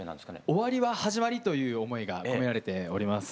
「終わりは始まり」という思いが込められております。